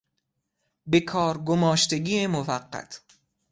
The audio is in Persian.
بهکار گماشتگی موقت